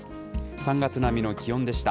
３月並みの気温でした。